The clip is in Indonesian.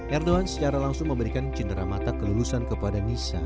erdogan secara langsung memberikan cenderamata kelulusan kepada nisa